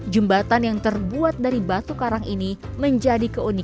jembatan yang terbuat dari batu karang ini menjadi tempat yang sangat menarik